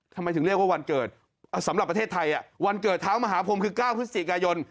ทำไมถึงเรียกว่าวันเกิดสำหรับประเทศไทยวันเกิดเท้ามหาพรมคือ๙พฤศจิกายน